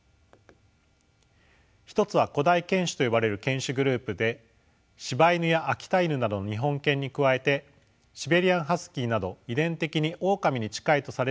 一つは古代犬種と呼ばれる犬種グループでしば犬や秋田犬などの日本犬に加えてシベリアンハスキーなど遺伝的にオオカミに近いとされる犬種です。